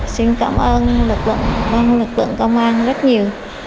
xin cảm ơn lực lượng công an rất nhiều